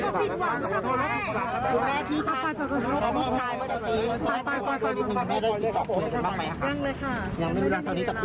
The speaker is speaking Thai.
คนก็เสียความรู้สึกกับคุณแม่คุณแม่รู้สึกอย่างไรบ้างครับผม